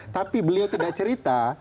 tapi beliau tidak cerita